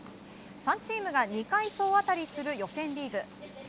３チームが２回総当たりする予選リーグ。